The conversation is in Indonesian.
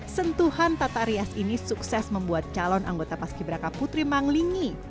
sentuhan tata rias ini sukses membuat calon anggota paski beraka putri manglingi